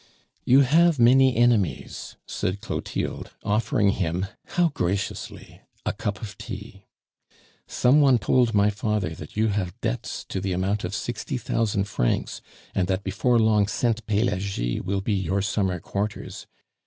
"You have many enemies," said Clotilde, offering him how graciously! a cup of tea. "Some one told my father that you have debts to the amount of sixty thousand francs, and that before long Sainte Pelagie will be your summer quarters.